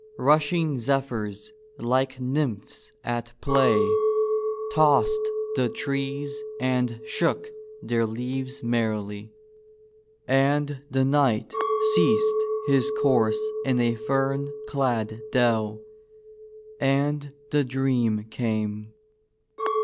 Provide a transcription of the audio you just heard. Rushing zephyrs, like nymphs at play, tossed the trees and shook 88 THE KNIGHT AND THE DREAM 89 their leaves merrily. And the knight ceased his course in a fern clad dell and the dream came.